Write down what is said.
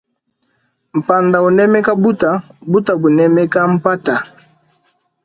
Panda unemeka buta buta bunemeka mpata.